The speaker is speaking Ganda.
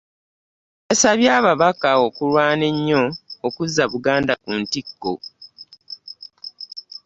Yasabye ababaka okulwana ennyo okuzza Buganda ku ntikko.